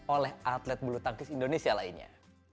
oleh atlet bulu tangkis indonesia lainnya